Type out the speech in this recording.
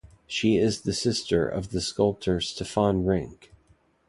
She is the sister of the sculptor Stefan Rinck.